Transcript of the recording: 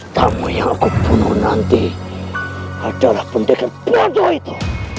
kamu yang aku bunuh nanti adalah pendekat bodoh itu